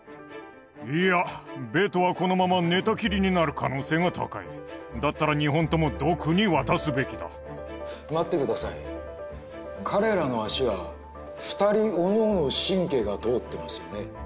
いやベトはこのまま寝たきりになる可能性が高いだったら２本ともドクに渡すべきだ待ってください彼らの脚は２人おのおの神経が通ってますよね・